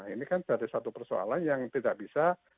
ini kan dari satu persoalan yang tidak bisa